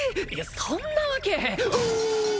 そんなわけあ！